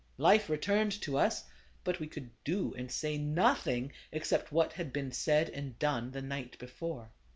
Life returned to us ; but we could do and say nothing except what had been said and done the night before.